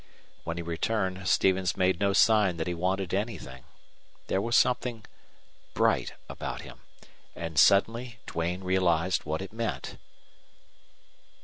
When he returned Stevens made no sign that he wanted anything. There was something bright about him, and suddenly Duane realized what it meant.